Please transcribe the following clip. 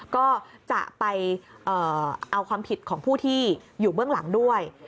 ก็จะไปเอาความผิดของผู้ที่อยู่เบื้องหลังด้วย